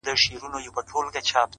د بدلون لپاره نن کافي دی